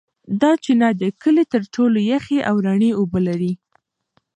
دا چینه د کلي تر ټولو یخې او رڼې اوبه لري.